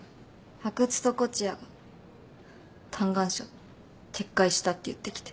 阿久津と東風谷嘆願書撤回したって言ってきて。